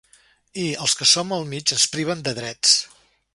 I, als qui som al mig, ens priven de drets.